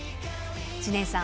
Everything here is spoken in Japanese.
知念さん